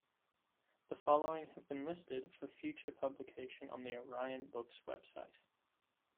The following have been listed for future publication on the Orion Books website.